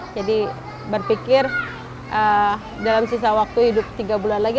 jadi berpikir dalam sisa waktu hidup tiga bulan lagi